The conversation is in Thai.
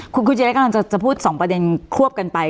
คุณเจรัตกำลังจะจะพูด๒ประเด็นควบกันไป